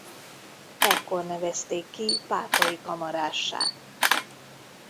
Ekkor nevezték ki pápai kamarássá.